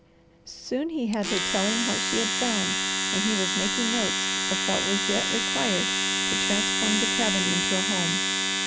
Soon he had her telling what she had found, and he was making notes of what was yet required to transform the cabin into a home.